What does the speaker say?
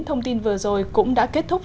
thông tin vừa rồi cũng đã kết thúc